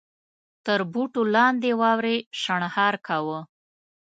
تر بوټو لاندې واورې شڼهار کاوه.